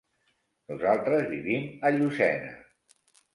Nosaltres vivim a Llucena.